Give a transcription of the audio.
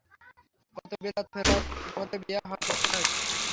কত বিলাত ফেরত মোরে বিয়া হরতে চায়।